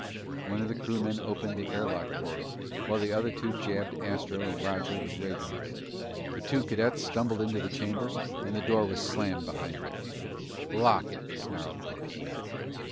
One of the crewmen opened the air lock portal while the other two jabbed Astro and Roger with ray guns. The two cadets stumbled into the chamber and the door was slammed behind them. "Lock it!" snarled Brooks.